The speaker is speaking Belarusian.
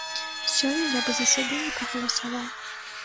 Сёння я бы за сябе не прагаласаваў.